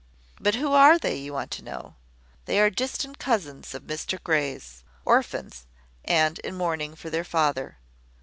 "`But who are they?' you want to know. They are distant cousins of Mr Grey's, orphans, and in mourning for their father.